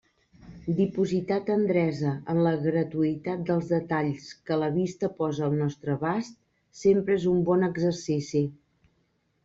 Dipositar tendresa en la gratuïtat dels detalls que la vista posa al nostre abast sempre és un bon exercici.